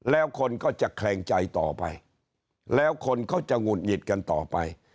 แล้วคนก็จะแคลงใจต่อไปแล้วคนเขาจะหงุดหงิดกันต่อไป